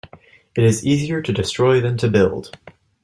It is easier to destroy than to build.